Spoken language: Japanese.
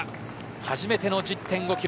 初めての１０．５キロ